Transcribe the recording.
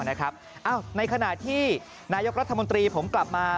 ในขณะที่นายกรัฐมนตรีผมกลับมา